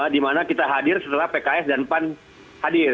dimana kita hadir setelah pks dan pan hadir